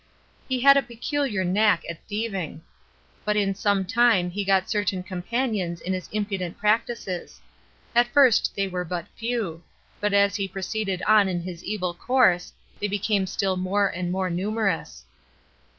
He had a peculiar knack at thieving; but in some time he got certain companions in his impudent practices; at first they were but few, but as he proceeded on in his evil course, they became still more and more numerous.